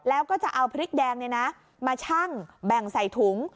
แล้วก็จะเอาพริกแดงมาชั่งแบ่งใส่ถุง